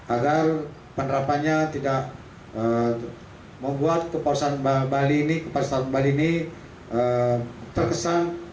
agar penerapannya tidak membuat keperluan baris bali ini terkesan